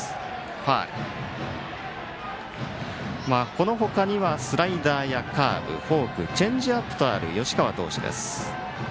この他にはスライダーやカーブフォーク、チェンジアップとある吉川投手です。